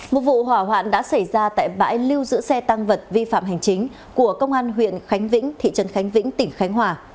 một vụ hỏa hoạn đã xảy ra tại bãi lưu giữ xe tăng vật vi phạm hành chính của công an huyện khánh vĩnh thị trấn khánh vĩnh tỉnh khánh hòa